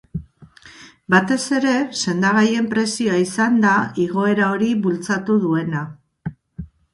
Batez ere sendagaien prezioa izan da igoera hori bultzatu duena.